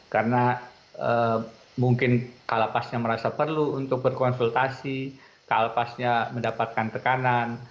karena mungkin kla pasnya merasa perlu untuk berkonsultasi kla pasnya mendapatkan tekanan